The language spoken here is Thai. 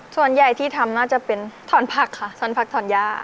ส่วนใหญ่ที่ทำน่าจะเป็นถอนผักค่ะถอนผักถอนย่า